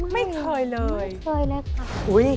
ไม่เคยเลย